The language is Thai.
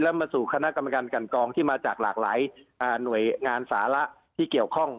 แล้วมาสู่คณะกรรมการกันกองที่มาจากหลากหลายหน่วยงานสาระที่เกี่ยวข้อง